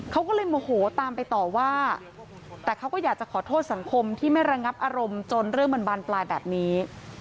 เขาก็เลยโมโหตามไปต่อว่าแต่เขาก็อยากจะขอโทษสังคมที่ไม่ระงับอารมณ์จนเรื่องมันบานปลายแบบนี้